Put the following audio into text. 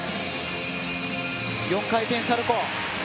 ４回転サルコウ！